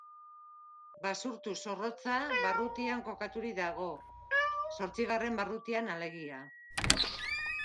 Basurtu-Zorrotza barrutian kokaturik dago, zortzigarren barrutian alegia.